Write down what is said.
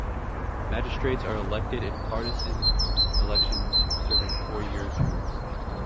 Magistrates are elected in partisan elections serving four-year terms.